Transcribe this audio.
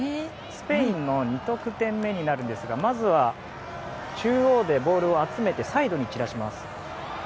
スペインの２得点目になるんですがまずは中央でボールを集めてサイドに散らします。